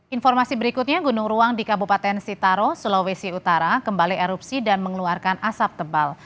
informasi berikutnya gunung ruang di kabupaten sitaro sulawesi utara kembali erupsi dan mengeluarkan asap tebal